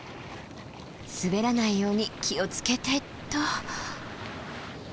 滑らないように気を付けてっと。